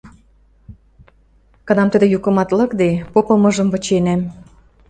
Кынам тӹдӹ юкымат лыкде, попымыжым выченӓм.